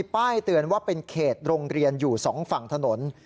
ป้ายเตือนว่าเป็นเขตโรงเรียนอยู่๒ฝั่งถนน